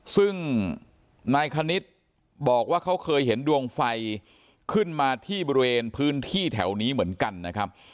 ซึ่งนายคณิตบอกว่าเขาเคยเห็นดวงไฟขึ้นมาที่บริเวณพื้นที่แถวนี้เหมือนกันนะครับ